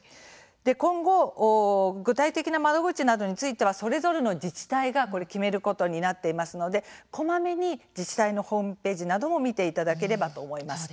今後、具体的な窓口などについてはそれぞれの自治体が決めることになっていますのでこまめに自治体のホームページなども見てもらえればと思います。